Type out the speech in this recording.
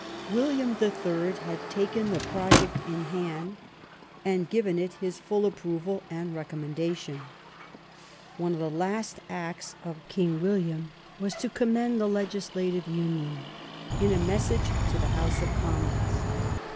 William the Third had taken the proj ect in hand and given it his full approval and recom mendation. One of the last acts of King William was to commend the legislative union in a message to the House of Commons.